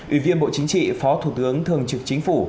ủy viên bộ chính trị phó thủ tướng thường trực chính phủ